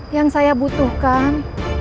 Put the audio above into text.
yang saya butuhkan